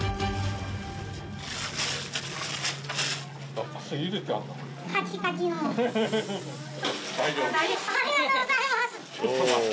ありがとうございます。